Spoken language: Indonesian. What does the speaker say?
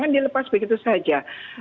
jangan dilepas begitu saja